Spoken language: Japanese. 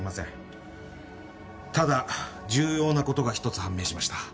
ただ重要な事が１つ判明しました。